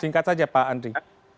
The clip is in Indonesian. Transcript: singkat saja pak andri